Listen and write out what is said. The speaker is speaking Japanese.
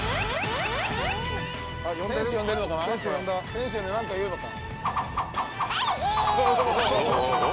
選手になんか言うのか？